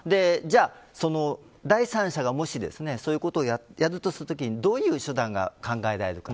第三者がもしそういうことをやるとなったときどのような手段が考えられるか。